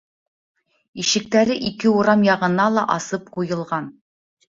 Ишектәре ике урам яғына ла асып ҡуйылған.